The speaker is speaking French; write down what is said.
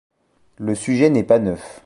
Le sujet n'est pas neuf.